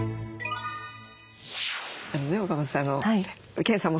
あのね岡本さん